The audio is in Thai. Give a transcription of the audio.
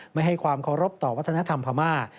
ไม่ให้ความเคารพต่อวัฒนธรรมพม่า